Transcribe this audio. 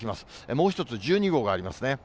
もう一つ、１２号がありますね。